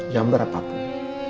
yang berapa pun